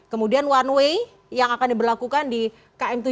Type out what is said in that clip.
kemudian one way yang akan diberlakukan di kmtu